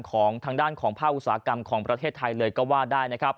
ของทางด้านของภาคอุตสาหกรรมของประเทศไทยเลยก็ว่าได้นะครับ